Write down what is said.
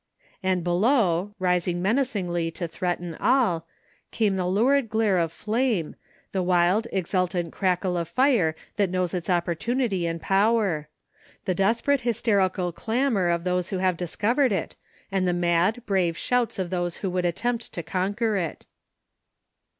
And below, rising menac ingly to threaten all, came the lurid glare of flame, the wild, exultant crackle of fire that knows its opportunity and power; the desperate hysterical clamor of those who have discovered it, and the mad, brave shouts of those who would attempt to conquer it.